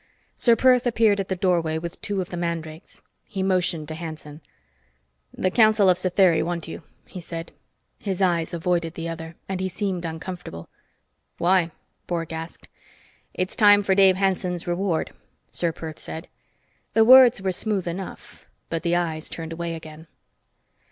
Ser Perth appeared at the doorway with two of the mandrakes. He motioned to Hanson. "The council of Satheri want you," he said. His eyes avoided the other, and he seemed uncomfortable. "Why?" Bork asked. "It's time for Dave Hanson's reward," Ser Perth said. The words were smooth enough, but the eyes turned away again.